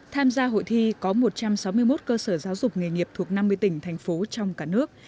tham gia hội thi có một trăm sáu mươi một cơ sở giáo dục nghề nghiệp thuộc năm mươi tỉnh thành phố trong cả nước